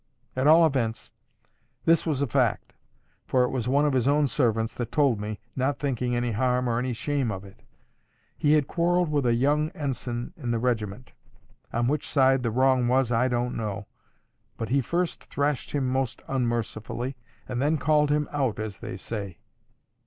At all events, this was a fact, for it was one of his own servants that told me, not thinking any harm or any shame of it. He had quarrelled with a young ensign in the regiment. On which side the wrong was, I don't know. But he first thrashed him most unmercifully, and then called him out, as they say.